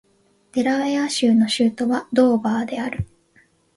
デラウェア州の州都はドーバーである